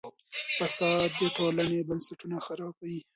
فساد د ټولنې بنسټونه خرابوي.